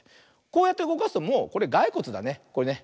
こうやってうごかすともうこれガイコツだねこれね。